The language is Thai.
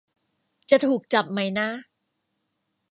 จะถูกจับไหมนะ